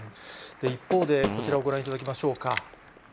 一方で、こちらをご覧いただきましょうか。